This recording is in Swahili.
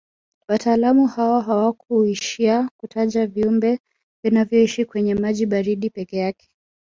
Wataalamu hao hawakuishia kutaja viumbe vinavyoishi kwenye maji baridi peke yake